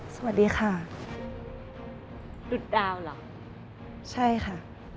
สวัสดีค่ะหยุดดาวเหรอใช่ค่ะ